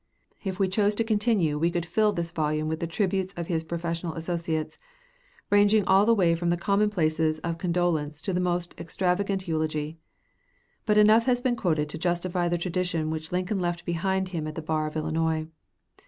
If we chose to continue we could fill this volume with the tributes of his professional associates, ranging all the way from the commonplaces of condolence to the most extravagant eulogy. But enough has been quoted to justify the tradition which Lincoln left behind him at the bar of Illinois.